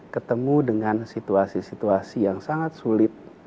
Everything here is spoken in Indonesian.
ketemu dengan situasi situasi yang sangat sulit